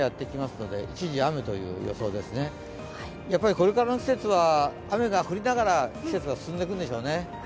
これからの季節は雨が降りながら季節は進んでいくんでしょうね。